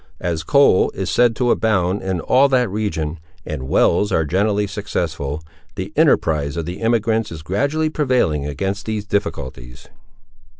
As coal is said to abound in all that region, and wells are generally successful, the enterprise of the emigrants is gradually prevailing against these difficulties.